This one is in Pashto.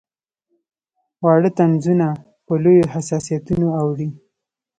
واړه طنزونه په لویو حساسیتونو اوړي.